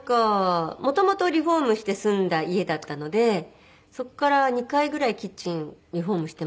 元々リフォームして住んだ家だったのでそこから２回ぐらいキッチンリフォームしていますかね。